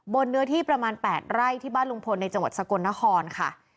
เนื้อที่ประมาณ๘ไร่ที่บ้านลุงพลในจังหวัดสกลนครค่ะ